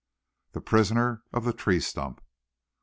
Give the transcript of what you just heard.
THE PRISONER OF THE TREE STUMP.